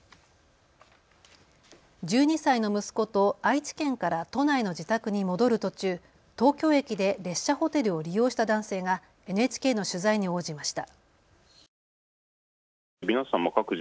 １２歳の息子と愛知県から都内の自宅に戻る途中、東京駅で列車ホテルを利用した男性がＮＨＫの取材に応じました。